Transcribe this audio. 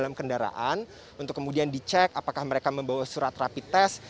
dalam kendaraan untuk kemudian dicek apakah mereka membawa surat rapi tes